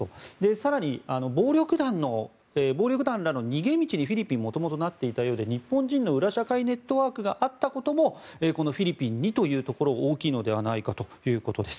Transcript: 更に、暴力団らの逃げ道に元々フィリピンは元々なっていたようで日本人の裏社会ネットワークがあったこともこのフィリピンにというところが大きいのではないかということです。